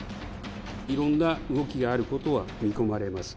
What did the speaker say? いろんな動きがあることは見込まれます。